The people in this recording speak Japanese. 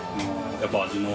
やっぱ「味の」